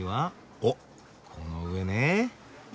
おっこの上ね。